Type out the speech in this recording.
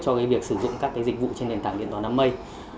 cho cái việc sử dụng các cái dịch vụ trên nền tảng điện toán đám mây